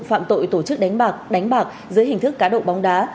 phạm tội tổ chức đánh bạc đánh bạc dưới hình thức cá độ bóng đá